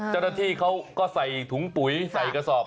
จะตั้งที่เขาก็ใส่ถุงปุ๋ยใส่กระศอบ